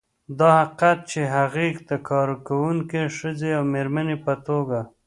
دا حقیقت چې هغې د کارکونکې ښځې او مېرمنې په توګه